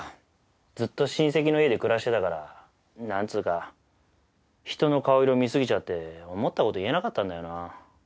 ずっと親戚の家で暮らしてたからなんつーか人の顔色見すぎちゃって思った事言えなかったんだよな。